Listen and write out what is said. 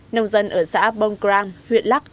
nông dân ở xã bông cran huyện lắc